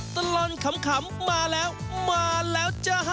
ตลอดขำมาแล้วมาแล้วจ้า